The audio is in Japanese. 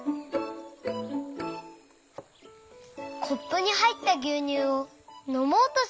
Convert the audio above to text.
コップにはいったぎゅうにゅうをのもうとしました。